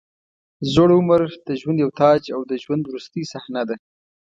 زوړ عمر د ژوند یو تاج او د ژوند وروستۍ صحنه ده.